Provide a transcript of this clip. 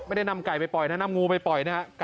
นำไก่ไปปล่อยนะนำงูไปปล่อยนะครับ